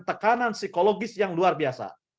tekanan psikologis yang luar biasa